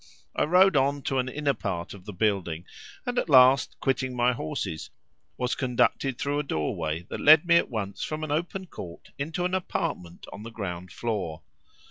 I rode on to an inner part of the building, and at last, quitting my horses, was conducted through a doorway that led me at once from an open court into an apartment on the ground floor.